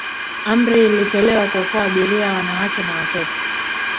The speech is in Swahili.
amri ilitolewa kuokoa abiria wanawake na watoto